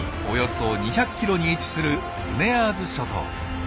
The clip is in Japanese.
およそ２００キロに位置するスネアーズ諸島。